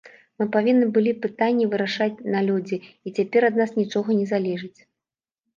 Мы павінны былі пытанне вырашаць на лёдзе, і цяпер ад нас нічога не залежыць.